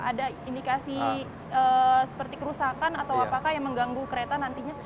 ada indikasi seperti kerusakan atau apakah yang mengganggu kereta nantinya